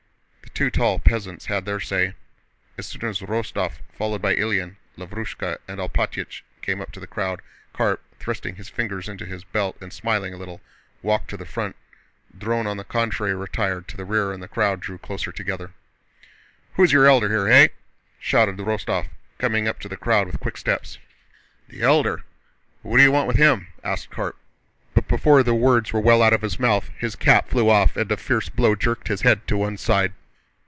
The two tall peasants had their say. As soon as Rostóv, followed by Ilyín, Lavrúshka, and Alpátych, came up to the crowd, Karp, thrusting his fingers into his belt and smiling a little, walked to the front. Dron on the contrary retired to the rear and the crowd drew closer together. "Who is your Elder here? Hey?" shouted Rostóv, coming up to the crowd with quick steps. "The Elder? What do you want with him?..." asked Karp. But before the words were well out of his mouth, his cap flew off and a fierce blow jerked his head to one side.